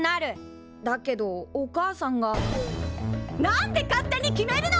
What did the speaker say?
だけどお母さんが何で勝手に決めるの！